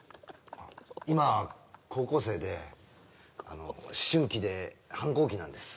今高校生であの思春期で反抗期なんです